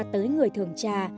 tới người thường trà